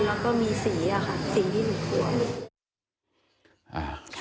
แล้วก็มีสีสิ่งที่หนูกลัว